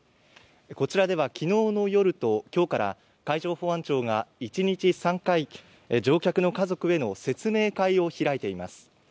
こちらでは昨日の夜と今日から海上保安庁が一日３回、乗客の家族への説明会を開いています。